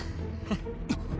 あっ。